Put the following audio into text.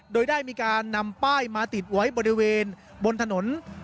โดยได้มีการนำป้ายมาติดไว้บริเวณบนถนน